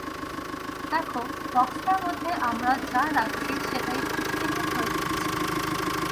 দেখো, বক্সটার মধ্যে আমরা যা রাখছি সেটাই ভিত্তিহীন হয়ে যাচ্ছে।